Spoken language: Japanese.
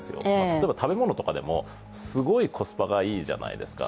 例えば食べ物とかでも、すごいコスパがいいじゃないですか。